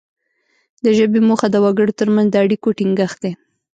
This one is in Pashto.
د ژبې موخه د وګړو ترمنځ د اړیکو ټینګښت دی